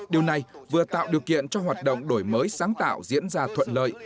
điều này vừa tạo điều kiện cho hoạt động đổi mới sáng tạo diễn ra thuận lợi